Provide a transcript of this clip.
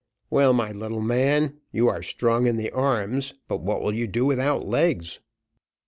"Well, my little man, you are strong in the arms, but what will you do without legs?"